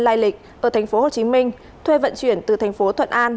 lai lịch ở thành phố hồ chí minh thuê vận chuyển từ thành phố thuận an